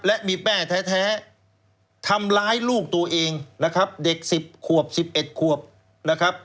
และมีแม่แท้ทำร้ายลูกตัวเองนะครับเด็ก๑๐ขวบ๑๑ขวบนะครับ